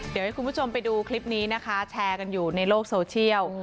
เดี๋ยวให้คุณผู้ชมไปดูคลิปนี้นะคะแชร์กันอยู่ในโลกโซเชียล